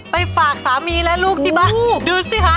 ไปฝากสามีแล้วลูกดิมะดูซิค่ะ